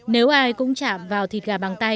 nếu ai cũng chạm vào thịt gà bằng tay